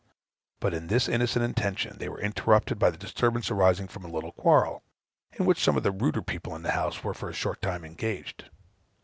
But in this innocent intention they were interrupted by the disturbance arising from a little quarrel, in which some of the ruder people in the house were for a short time engaged.